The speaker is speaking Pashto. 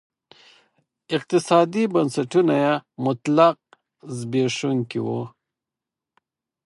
اقتصادي بنسټونه یې مطلق زبېښونکي وو.